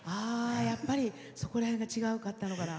やっぱり、そこら辺が違うかったんかな。